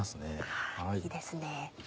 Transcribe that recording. あいいですね。